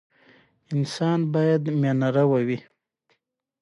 د پاماني کانال د اوبو له ګټه ګونې ډکه لاره ده.